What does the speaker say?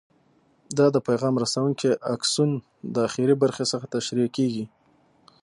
دا د پیغام رسونکي آکسون د اخري برخې څخه ترشح کېږي.